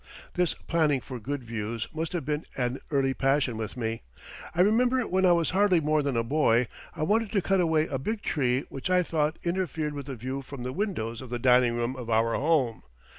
This planning for good views must have been an early passion with me. I remember when I was hardly more than a boy I wanted to cut away a big tree which I thought interfered with the view from the windows of the dining room of our home.